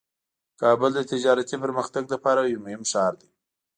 کابل د تجارتي پرمختګ لپاره یو مهم ښار دی.